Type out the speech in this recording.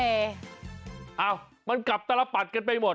เอ้ามันกลับตลปัดกันไปหมด